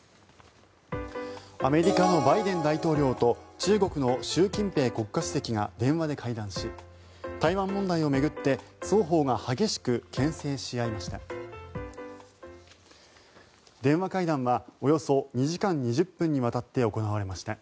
アメリカのバイデン大統領と中国の習近平国家主席が電話で会談し台湾問題を巡って双方が激しくけん制し合いました。